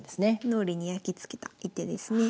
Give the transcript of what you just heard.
脳裏にやきつけた一手ですね。